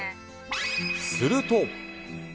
すると。